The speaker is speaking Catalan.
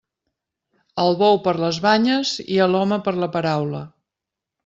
Al bou per les banyes i a l'home per la paraula.